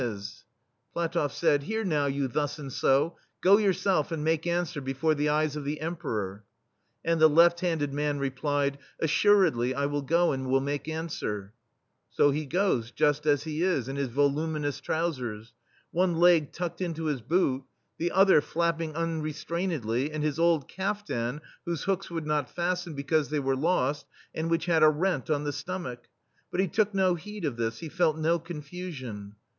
'* THE STEEL FLEA PlatofF said : "Here now, you thus and so, go yourself and make answer before the eyes of the Emperor/* And the left handed man replied: "Assuredly I will go and will make answer/* So he goes, just as he is, in his vo luminous trousers, one leg tucked into his boot, the other flapping unrestrain edly, and his old kaftan, whose hooks would not fasten because they were lost, and which had a rent on the stomach ; but he took no heed of this — he felt no confusion.